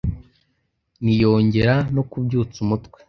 ntiyongera no kubyutsa umutwe